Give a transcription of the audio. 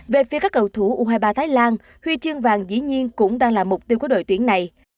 về phía các cầu thủ u hai mươi ba thái lan huy chương vàng dĩ nhiên cũng đang là mục tiêu của đội tuyển này